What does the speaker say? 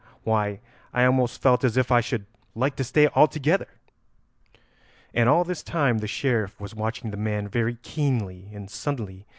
Why, I almost felt as if I should like to stay altogether." And all this time the Sheriff was watching the man very keenly, and suddenly he caught him by the arm.